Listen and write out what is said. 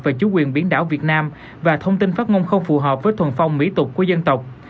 và chủ quyền biển đảo việt nam và thông tin phát ngôn không phù hợp với thuần phong mỹ tục của dân tộc